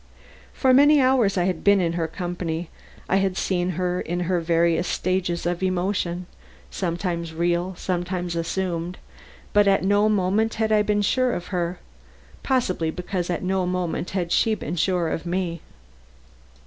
For hours I had been in her company. I had seen her in various stages of emotion, sometimes real and sometimes assumed, but at no moment had I been sure of her, possibly because at no moment had she been sure of me.